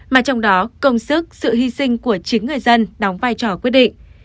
mà trong đó công sức sự hy sinh của chính người dân đóng vai trò quyết định